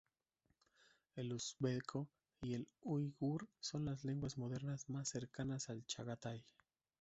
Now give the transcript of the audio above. El uzbeko y el uigur son las lenguas modernas más cercanas al chagatai.